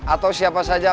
atau siapa saja